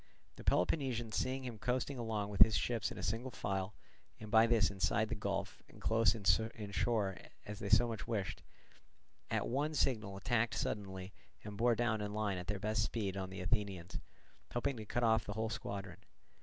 The Peloponnesians seeing him coasting along with his ships in single file, and by this inside the gulf and close inshore as they so much wished, at one signal tacked suddenly and bore down in line at their best speed on the Athenians, hoping to cut off the whole squadron.